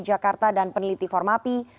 jakarta dan peneliti formapi